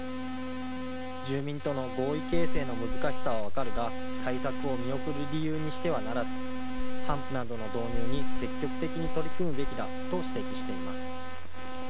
住民との合意形成の難しさは分かるが対策を見送る理由にしてはならず、ハンプなどの導入に積極的に取り組むべきだと指摘しています。